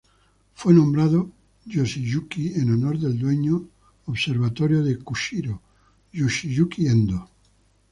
Fue nombrado Yoshiyuki en honor al dueño Observatorio de Kushiro, Yoshiyuki Endo.